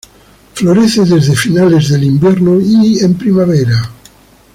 Florece desde finales del invierno y en primavera.